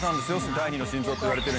第二の心臓といわれてる。